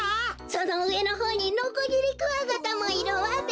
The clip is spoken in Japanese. そのうえのほうにノコギリクワガタもいるわべ！